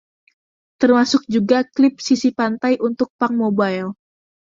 Termasuk juga klip sisi pantai untuk Punkmobile.